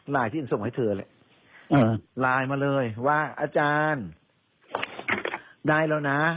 ที่ฉันส่งให้เธอแหละไลน์มาเลยว่าอาจารย์ได้แล้วนะ